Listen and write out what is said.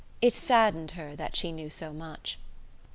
It saddened her that she knew so much.